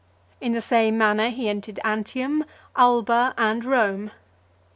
In the same manner he entered Antium, Alba, and Rome.